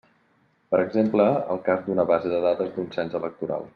Per exemple, el cas d'una base de dades d'un cens electoral.